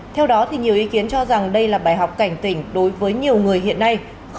theo đó nhiều ý kiến cho rằng đây là bài học cảnh tỉnh đối với nhiều người hiện nay